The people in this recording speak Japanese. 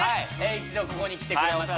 一度ここに来てくれました